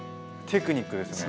テクニックですね。